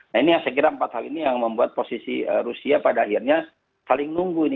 nah ini yang saya kira empat hal ini yang membuat posisi rusia pada akhirnya saling nunggu ini